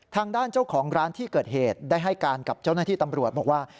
ทางด้านเจ้าของร้านที่เกิดเหตุได้ให้การกับเจ้าหน้าที่ตำรวจบอกว่า